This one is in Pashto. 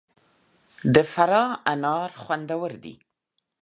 د فراه انار خوندور دي